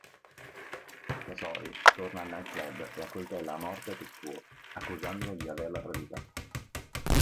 Sasori torna al night club e accoltella a morte Tetsuo, accusandolo di averla tradita.